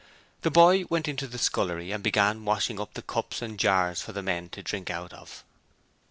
The boy went into the scullery and began washing up the cups and jars for the men to drink out of.